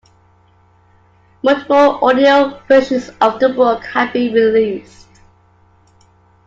Multiple audio versions of the book have been released.